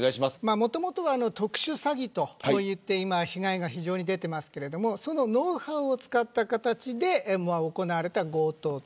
もともとは特殊詐欺といって被害が今、非常に出ていますがそのノウハウを使った形で行われた強盗と。